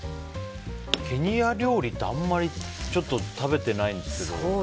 ケニア料理ってあんまり食べてないんですけど。